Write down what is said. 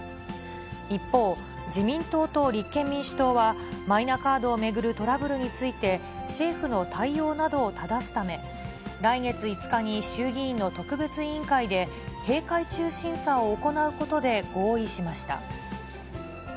一方、自民党と立憲民主党は、マイナカードを巡るトラブルについて、政府の対応などをただすため、来月５日に衆議院の特別委員会で、閉会中審査を行うことで合意しました。